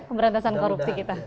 pemberantasan korupsi kita